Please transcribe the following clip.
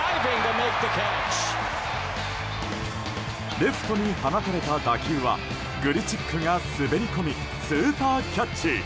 レフトに放たれた打球はグリチックが滑り込みスーパーキャッチ！